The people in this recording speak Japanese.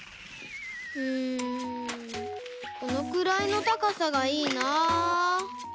んこのくらいのたかさがいいな。